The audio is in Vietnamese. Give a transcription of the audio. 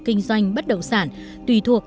kinh doanh bất động sản tùy thuộc